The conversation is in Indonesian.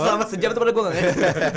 selamat sejam itu pada gua gak ngerti